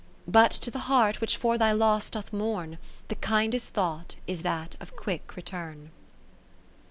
But to the heart which for thy loss doth mourn, The kindest thought is that of quick return.